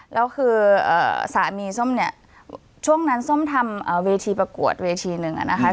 แล้วคือสามีส้มเนี่ยช่วงนั้นส้มทำเวทีประกวดเวทีหนึ่งอะนะคะ